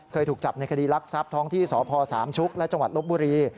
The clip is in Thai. เคยถูกจับในคดีรักทรัพย์ท้องที่สพสามชุกและจังหวัดลบบุรี